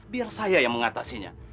biar saya yang mengatasinya